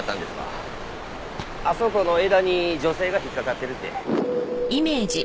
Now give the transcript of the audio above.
あそこの枝に女性が引っかかってるって。